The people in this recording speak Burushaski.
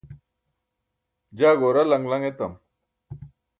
jaa goora laṅ laṅ etam